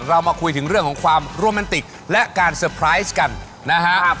เรามาคุยถึงเรื่องของความโรแมนติกและการเตอร์ไพรส์กันนะฮะ